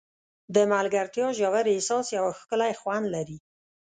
د ملګرتیا ژور احساس یو ښکلی خوند لري.